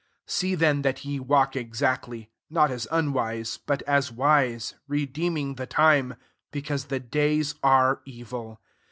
'* 15 See then that ye walk exactly; not as unwise, but as wise: 16 redeeming the time, because the days are evil.